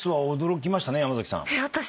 私。